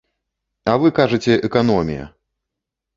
А вы кажаце, эканомія!